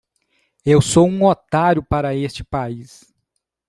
Eu sou um otário para este país.